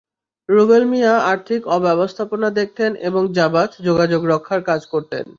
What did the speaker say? রুবেল মিয়া আর্থিক ব্যবস্থাপনা দেখতেন এবং জাবাথ যোগাযোগ রক্ষার কাজ করতেন।